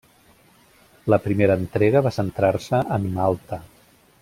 La primera entrega va centrar-se en Malta.